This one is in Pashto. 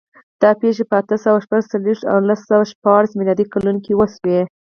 دا پېښې په اته سوه شپږ څلوېښت او لس سوه شپاړس میلادي کلونو وشوې.